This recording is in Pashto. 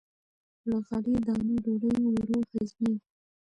له غلې- دانو ډوډۍ ورو هضمېږي.